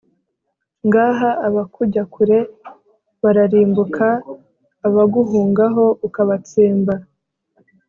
ngaha abakujya kure bararimbukaabaguhungaho ukabatsemba